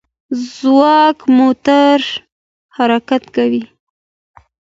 ځواک موټور حرکت کوي.